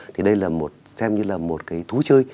thì đây xem như là một cái thú chơi